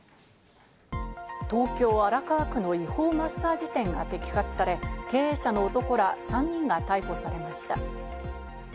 東京・荒川区の違法マッサージ店が摘発され、経営者の男ら３人が逮捕されました。